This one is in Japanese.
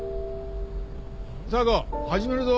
査子始めるぞ。